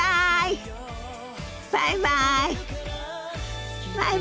バイバイ。